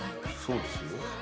そうですよ。